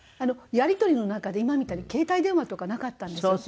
やり取りの中で今みたいに携帯電話とかなかったんですよ。